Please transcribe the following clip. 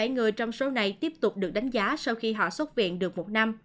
tám trăm linh bảy người trong số này tiếp tục được đánh giá sau khi họ xuất viện được một năm